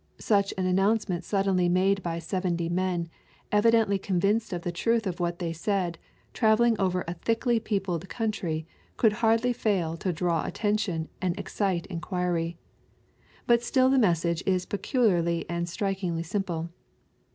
Such an announce* ment suddenly made by seventy men, evidently con vinced of the truth of what they said, travelling over a thickly peopled country, could hardly fail to draw attention and excite inquiry. But still the message is peculiarly and strikingly simple.